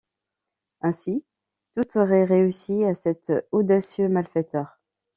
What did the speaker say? Ainsi tout aurait réussi à cet audacieux malfaiteur.